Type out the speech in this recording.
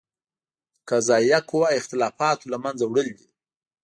قضائیه قوه اختلافاتو له منځه وړل دي.